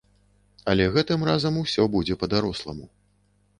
Але гэтым разам усё будзе па-даросламу.